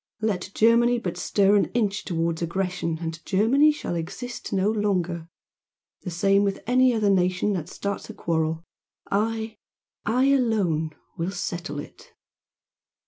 Let Germany but stir an inch towards aggression, and Germany shall exist no longer! The same with any other nation that starts a quarrel I I alone will settle it!"